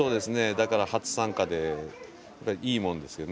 だから初参加でいいもんですよね